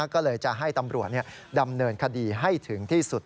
ก็เลยจะให้ตำรวจดำเนินคดีให้ถึงที่สุด